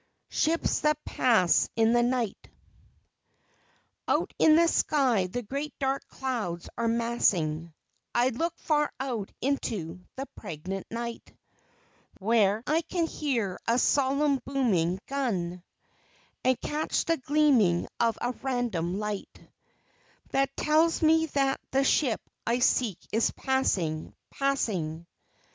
SHIPS THAT PASS IN THE NIGHT Out in the sky the great dark clouds are massing; I look far out into the pregnant night, Where I can hear a solemn booming gun And catch the gleaming of a random light, That tells me that the ship I seek is passing, passing.